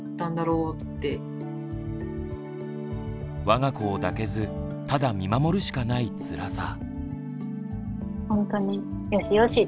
わが子を抱けずただ見守るしかないつらさ。